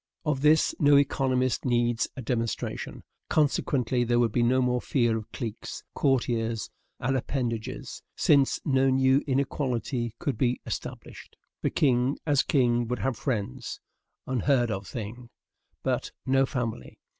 Of this no economist needs a demonstration. Consequently, there would be no more fear of cliques, courtiers, and appanages, since no new inequality could be established. The king, as king, would have friends (unheard of thing), but no family.